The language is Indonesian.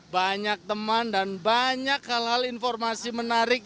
banyak teman dan banyak hal hal informasi menarik